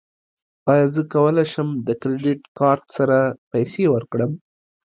ایا زه کولی شم د کریډیټ کارت سره پیسې ورکړم؟